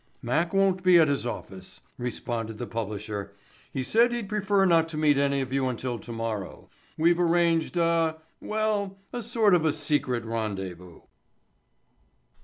"Mac won't be at his office," responded the publisher. "He said he'd prefer not to meet any of you until tomorrow. We've arranged a—well, a sort of a secret rendezvous."